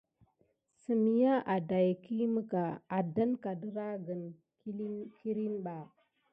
Səm ya áɗaïkiy aɗan ka na wure kilin ɓà.